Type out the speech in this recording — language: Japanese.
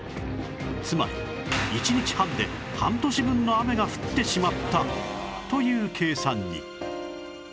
つまり１日半で半年分の雨が降ってしまったという計算に